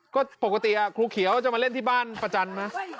ก็ปกติครูเขียวจะมาเล่นที่บ้านประจันทร์ไหม